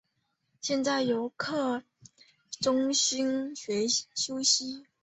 先在游客中心休息